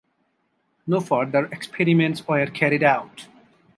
No further experiments were carried out.